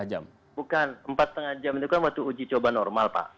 bukan empat lima jam itu kan waktu uji coba normal pak